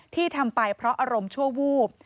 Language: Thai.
ที่ทำไปเพราะอารมณ์ชั่ววูบ